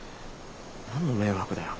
何の迷惑だよ。